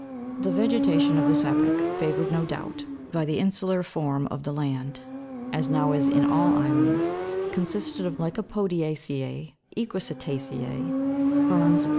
The vegetation of this epoch, favoured, no doubt, by the insular form of the land, as it now is in all islands, consisted of lycopodia' ceas, equisita'cese, ferns, &c.